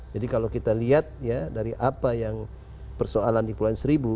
jadi kalau kita lihat dari apa yang persoalan di pulau seribu